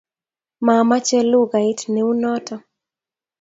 mamache lukait ne u noto